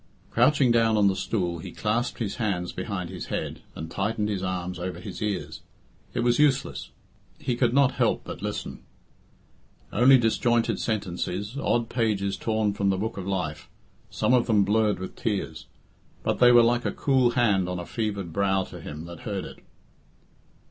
Crouching down on the stool, he clasped his hands behind his head, and tightened his arms over his ears. It was useless. He could not help but listen. Only disjointed sentences, odd pages torn from the book of life, some of them blurred with tears; but they were like a cool hand on a fevered brow to him that heard him.